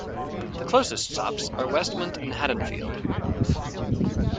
The closest stops are Westmont and Haddonfield.